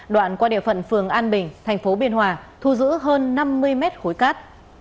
đoạn qua địa phận phường an bình tp biên hòa thu giữ hơn năm mươi mét khối cát